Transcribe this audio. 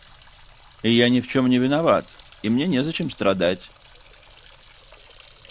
И я ни в чем не виноват, и мне не зачем страдать!